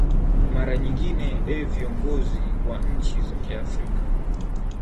mara nyingi ee viongozi wa nchi za kiafrika